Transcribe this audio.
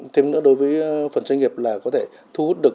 thêm nữa đối với phần doanh nghiệp là có thể thu hút được